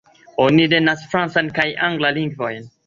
Oni lernas francan kaj anglan lingvojn.